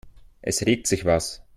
Es regt sich was.